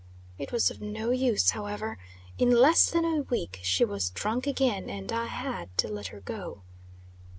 It was of no use, however in less than a week she was drunk again, and I had to let her go.